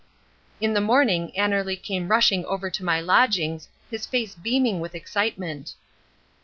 In the morning Annerly came rushing over to my lodgings, his face beaming with excitement.